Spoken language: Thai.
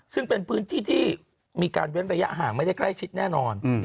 ซึ่งเป็นพื้นที่ที่มีการเว้นระยะห่างไม่ได้ใกล้ชิดแน่นอน